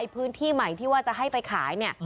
พื้นที่ใหม่ที่ว่าจะให้ไปขายเนี่ย